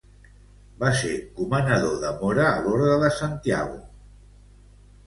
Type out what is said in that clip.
Va ser comanador de Mora a l'Orde de Santiago.